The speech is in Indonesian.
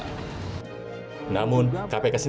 namun kpk sendiri tak bisa menangani hukuman yang tersebut